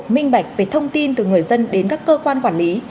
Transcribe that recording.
minh bạch về thông tin từ người dân đến các cơ quan quản lý